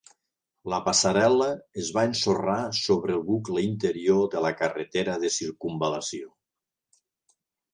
La passarel·la es va ensorrar sobre el bucle interior de la carretera de circumval·lació.